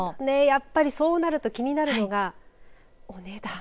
やっぱりそうなると気になるのがお値段。